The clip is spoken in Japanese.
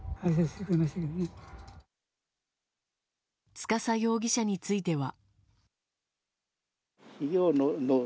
司容疑者については。